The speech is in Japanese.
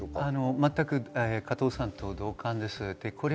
加藤さんと同感です。